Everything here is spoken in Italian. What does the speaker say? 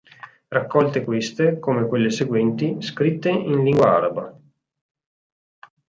Raccolte queste, come quelle seguenti, scritte in lingua araba.